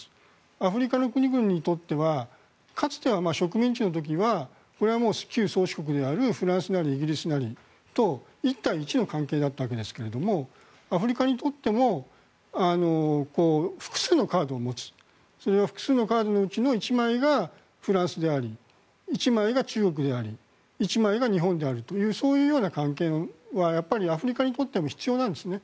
アフリカの国々にとってはかつては植民地の時はこれは旧宗主国であるフランスなりイギリスなりと１対１の関係だったわけですがアフリカにとっても複数のカードを持つ複数のカードのうちの１枚がフランスであり１枚が中国であり１枚が日本であるというそういう関係はやっぱりアフリカにとっても必要なんですね。